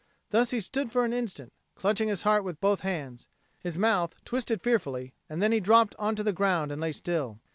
Thus he stood for an instant, clutching his heart with both his hands, his mouth twisted fearfully, and then he dropped on to the ground and lay still.